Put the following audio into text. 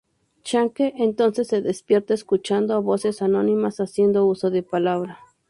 Snake entonces se despierta escuchando a voces anónimas haciendo uso de palabra.